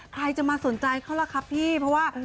ใครจะมาสนใจเขาล่ะครับพี่เพราะว่า